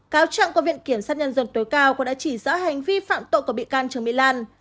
cáo trạng của viện kiểm sát nhân dân tối cao cũng đã chỉ rõ hành vi phạm tội của bị can trương mỹ lan